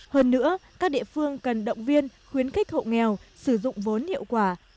hơn nữa các địa phương cần động viên khuyến khích hộ nghèo sử dụng vốn hiệu quả